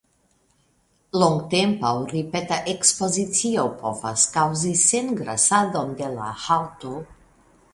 Longtempa aŭ ripeta ekspozicio povas kaŭzi sengrasadon de la haŭto.